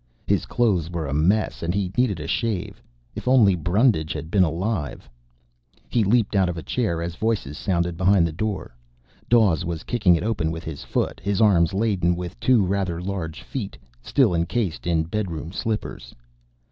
His clothes were a mess, and he needed a shave. If only Brundage had been alive ... He leaped out of the chair as voices sounded behind the door. Dawes was kicking it open with his foot, his arms laden with two rather large feet, still encased in bedroom slippers.